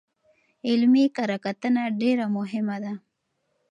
علمي کره کتنه ډېره مهمه ده.